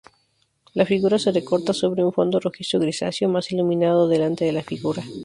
La figura se recorta sobre un fondo rojizo-grisáceo, más iluminado delante de la figura.